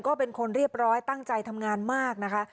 ก็เป็นคนเรียบร้อยตั้งใจทำงานมากนะคะ